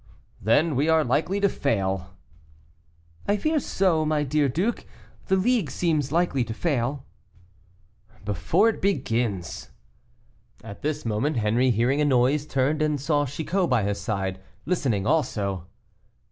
"Then we are likely to fail." "I fear so, my dear duke; the League seems likely to fail." "Before it begins." At this moment Henri, hearing a noise, turned and saw Chicot by his side, listening also.